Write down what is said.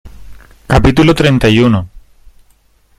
capítulo treinta y uno.